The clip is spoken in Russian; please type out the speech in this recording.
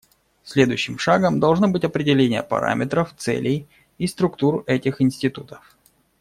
Следующим шагом должно быть определение параметров, целей и структур этих институтов.